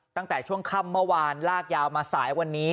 ตั้งแต่ช่วงค่ำเมื่อวานลากยาวมาสายวันนี้